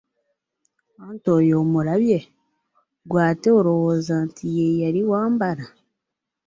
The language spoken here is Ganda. Anti oyo omulabye, ggwe ate olowooza nti ye yali wa mbala?